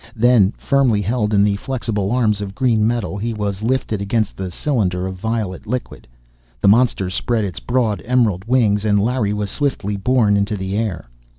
Then, firmly held in the flexible arms of green metal, he was lifted against the cylinder of violet liquid. The monster spread its broad emerald wings, and Larry was swiftly borne into the air.